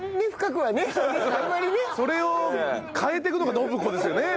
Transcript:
それを変えていくのが伸子ですよね。